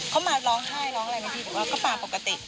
เขามาร้องไห้ร้องอะไรนะพี่หรือว่าก็ป่าปกติ